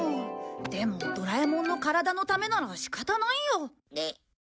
でもドラえもんの体のためなら仕方ないよ。